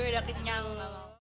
gue udah kayak nyang